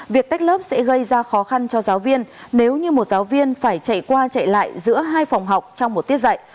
việc tách lớp sẽ gây ra khó khăn cho giáo viên nếu như một giáo viên phải chạy qua chạy lại giữa hai phòng học trong một tiết dạy